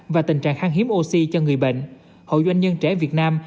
và tình trạng khang hiếm oxy cho người bệnh hội doanh nhân trẻ việt nam